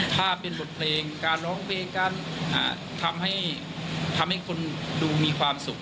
ถ้าเป็นบทเพลงการร้องเพลงการทำให้คนดูมีความสุข